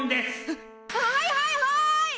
えっはいはいはい！